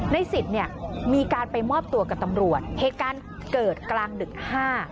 สิทธิ์เนี่ยมีการไปมอบตัวกับตำรวจเหตุการณ์เกิดกลางดึกห้า